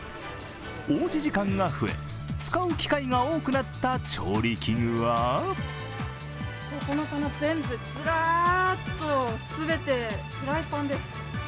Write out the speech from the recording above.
おうち時間が増え、使う機会が多くなった調理器具はこの棚、全部、ずらーっと全てフライパンです。